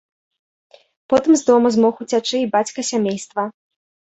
Потым з дома змог уцячы і бацька сямейства.